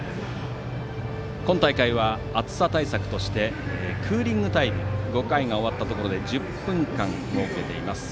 今大会は、暑さ対策としてクーリングタイム５回が終わったところで１０分間設けています。